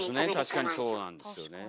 確かにそうなんですよね。